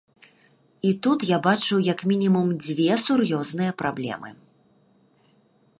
І тут я бачу як мінімум дзве сур'ёзныя праблемы.